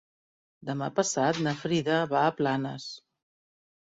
Demà passat na Frida va a Planes.